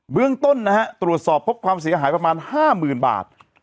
เรื่องต้นนะฮะตรวจสอบพบความเสียหายประมาณ๕๐๐๐บาท